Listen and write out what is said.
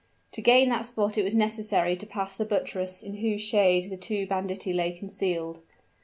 To gain that spot it was necessary to pass the buttress in whose shade the two banditti lay concealed.